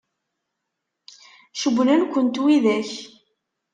Cewwlen-kent widak?